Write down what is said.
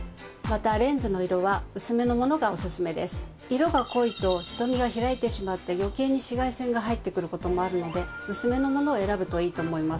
色が濃いと瞳が開いてしまって余計に紫外線が入ってくる事もあるので薄めのものを選ぶといいと思います。